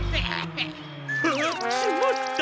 あっしまった！